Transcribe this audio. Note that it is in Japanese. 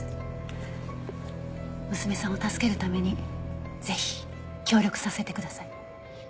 娘さんを助けるためにぜひ協力させてください。